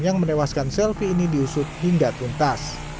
yang menewaskan selvi ini diusut hingga tuntas